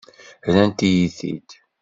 Rrant-iyi-t-id.